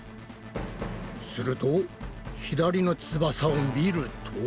すると左の翼を見ると。